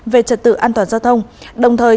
về trật tự an toàn giao thông đồng thời